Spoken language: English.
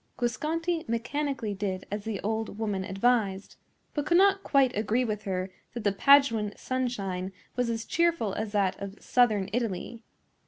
Guasconti mechanically did as the old woman advised, but could not quite agree with her that the Paduan sunshine was as cheerful as that of southern Italy.